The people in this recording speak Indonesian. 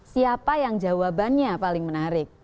siapa yang jawabannya paling menarik